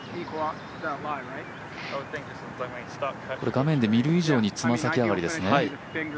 画面で見る以上に爪先上がりですね。